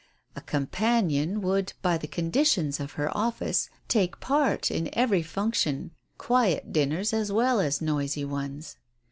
A companion would, by the conditions of her office, take part in every function, "quiet" dinners as well as noisy ones.